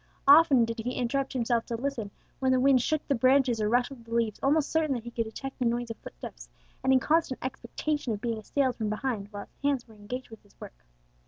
Often did he interrupt himself to listen, when the wind shook the branches or rustled the leaves, almost certain that he could detect the noise of footsteps, and in constant expectation of being assailed from behind, while his hands were engaged with his work.